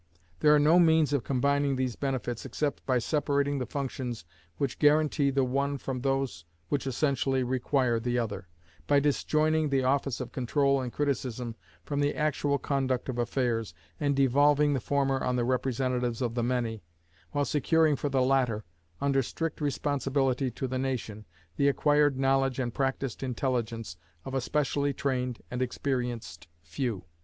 There are no means of combining these benefits except by separating the functions which guaranty the one from those which essentially require the other; by disjoining the office of control and criticism from the actual conduct of affairs, and devolving the former on the representatives of the Many, while securing for the latter, under strict responsibility to the nation, the acquired knowledge and practiced intelligence of a specially trained and experienced Few.